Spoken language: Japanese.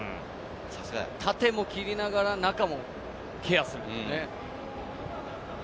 縦も切りながら中もケアするというね。